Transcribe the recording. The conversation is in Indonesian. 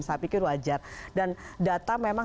saya pikir wajar dan data memang